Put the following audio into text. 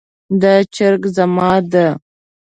دا چرګ زما ده